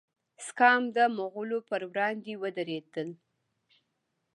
سکام د مغولو پر وړاندې ودریدل.